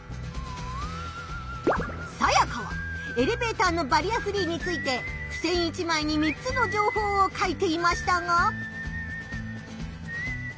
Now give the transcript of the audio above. サヤカはエレベーターのバリアフリーについてふせん１枚に３つの情報を書いていましたが。